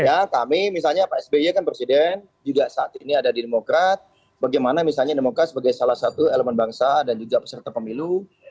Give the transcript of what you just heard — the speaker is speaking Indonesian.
ya kami misalnya pak sby kan presiden juga saat ini ada di demokrat bagaimana misalnya demokrat sebagai salah satu elemen bangsa dan juga peserta pemilu